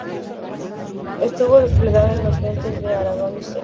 Estuvo desplegada en los frentes de Aragón y Segre.